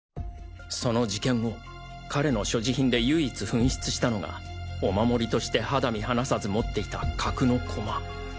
その事件後彼の所持品で唯一紛失したのがお守りとして肌身離さず持っていた角の駒。